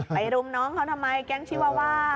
รุมน้องเขาทำไมแก๊งชีวาวา